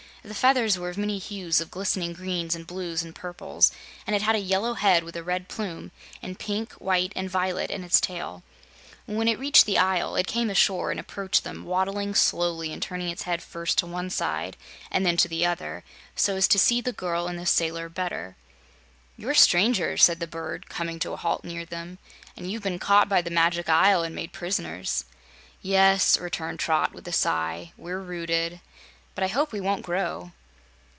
The feathers were of many hues of glistening greens and blues and purples, and it had a yellow head with a red plume, and pink, white and violet in its tail. When it reached the Isle, it came ashore and approached them, waddling slowly and turning its head first to one side and then to the other, so as to see the girl and the sailor better. "You're strangers," said the bird, coming to a halt near them, "and you've been caught by the Magic Isle and made prisoners." "Yes," returned Trot, with a sigh; "we're rooted. But I hope we won't grow."